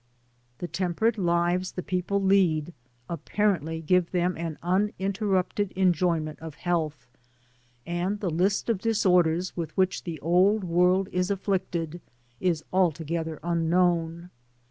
The temperate lives the people lead apparently give them an uninterrupted enjoyment of health, and the list of disorders with which the old world is afflicted is altogether unknown.